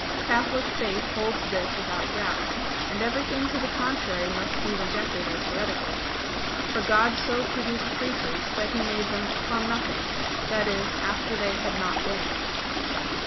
Catholic Faith holds this without doubt; and everything to the contrary must be rejected as heretical. For God so produced creatures that He made them "from nothing"; that is, after they had not been.